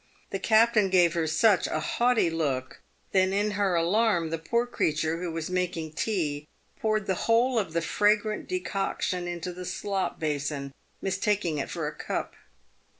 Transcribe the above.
The captain gave her such a haughty look, that in her alarm the poor creature, who was making tea, poured the whole of the fragrant decoction into the slop basin, mis taking it for a cup.